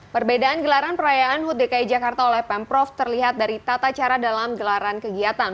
perbedaan gelaran perayaan hut dki jakarta oleh pemprov terlihat dari tata cara dalam gelaran kegiatan